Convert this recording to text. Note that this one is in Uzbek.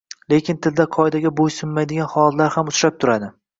Lekin tilda qoidaga boʻysunmaydigan holatlar ham uchrab turadi